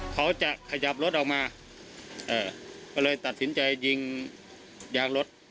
เขาจะขยับรถออกมาก็เลยตัดสินใจยิงยางรถ